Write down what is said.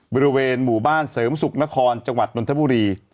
บริเวณหมู่บ้านเสริมสุขนครจังหวัดนนทบุรี